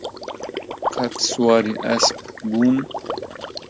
قەت سواری ئەسپ بوون؟